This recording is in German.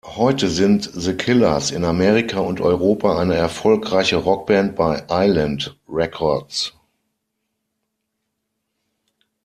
Heute sind The Killers in Amerika und Europa eine erfolgreiche Rockband bei Island Records.